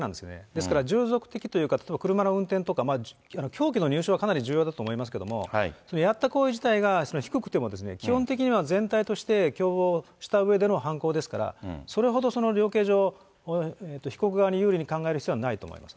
ですから従属的というか、車の運転とか、凶器の入手は、重要だと思いますけども、やった行為自体が低くても、基本的には、全体として共謀したうえでの犯行ですから、それほど量刑上、被告側に有利に考える必要はないと思います。